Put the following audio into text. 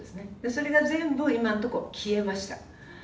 それが全部、今のところ消えました。